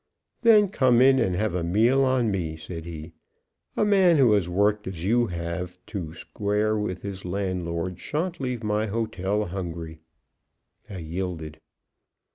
"Then come in and have a meal on me," said he. "A man who has worked as you have to square with his landlord shan't leave my hotel hungry." I yielded.